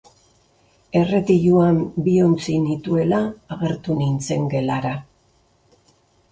Erretiluan bi ontzi nituela agertu nintzen gelara.